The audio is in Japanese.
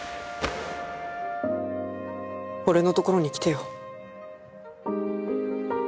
俺のところに来てよ。